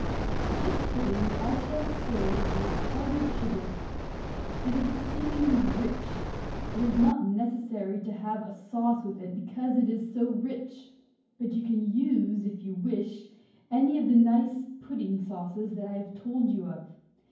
This pudding I shall serve with powdered sugar. It is exceedingly rich. It is not necessary to have a sauce with it because it is so rich. But you can use, if you wish, any of the nice pudding sauces that I have told you of.